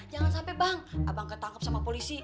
jangan sampai bang abang ketangkep sama polisi